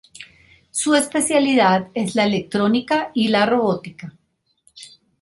Su especialidad es la electrónica y la robótica.